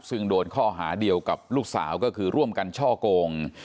ซึ่งโดนข้อหาเดียวกับลูกสาวก็คือร่วมกันช่อกง